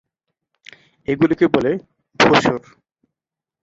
এগুলিকে বলে ভসৌর।